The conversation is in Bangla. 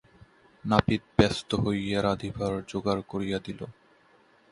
নাপিত ব্যস্ত হইয়া রাঁধিবার জোগাড় করিয়া দিল।